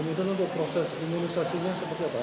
kemudian untuk proses imunisasinya seperti apa